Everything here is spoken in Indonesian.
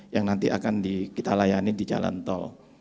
yang nanti akan kita layani di jalan tol